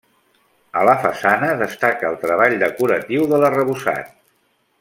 A la façana destaca el treball decoratiu de l'arrebossat.